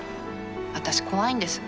私怖いんです。